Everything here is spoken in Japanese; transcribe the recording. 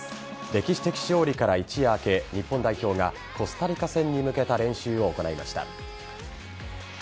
歴史的勝利から一夜明け日本代表がコスタリカ戦に向けた練習を行いました。